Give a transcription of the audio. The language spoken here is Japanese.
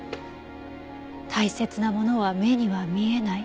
「大切なものは目には見えない」。